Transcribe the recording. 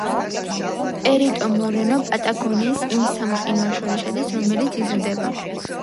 პერიტო-მორენო პატაგონიის იმ სამ მყინვარს შორის შედის, რომელიც იზრდება.